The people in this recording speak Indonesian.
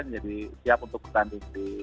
jadi siap untuk bergantung di